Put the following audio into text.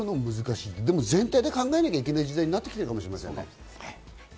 全体に考えなきゃいけない時代になってきているのかもしませんね。